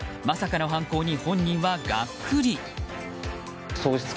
まさかの犯行に本人はがっくり。